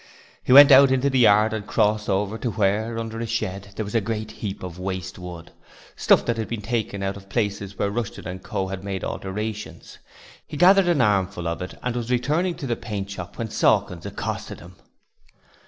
He went out into the yard and crossing over to where under a shed there was a great heap of waste wood, stuff that had been taken out of places where Rushton & Co. had made alterations, he gathered an armful of it and was returning to the paintshop when Sawkins accosted him.